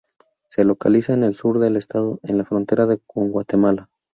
Se localiza en el sur del estado, en la frontera con Guatemala.